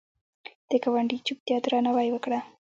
د ګاونډي چوپتیا درناوی وکړه